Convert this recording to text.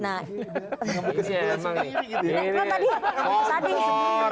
nggak ada yang ngomong begitu